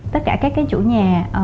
tất cả các chủ nhà